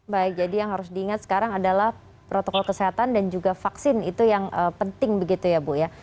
baik jadi yang harus diingat sekarang adalah protokol kesehatan dan juga vaksin itu yang penting begitu ya bu ya